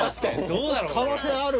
可能性ある。